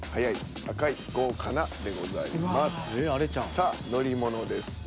さあ「乗り物」ですね。